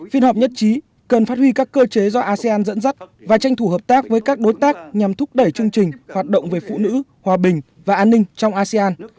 phiên họp nhất trí cần phát huy các cơ chế do asean dẫn dắt và tranh thủ hợp tác với các đối tác nhằm thúc đẩy chương trình hoạt động về phụ nữ hòa bình và an ninh trong asean